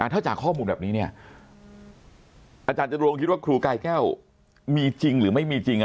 ถ้าจากข้อมูลแบบนี้อาจารย์จรวงคิดว่าครูกายแก้วมีจริงหรือไม่มีจริง